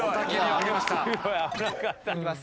いきます。